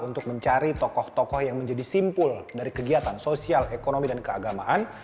untuk mencari tokoh tokoh yang menjadi simpul dari kegiatan sosial ekonomi dan keagamaan